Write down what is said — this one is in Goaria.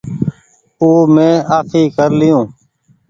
او مينٚ آڦي ڪر لئيو